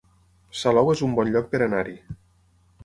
Salou es un bon lloc per anar-hi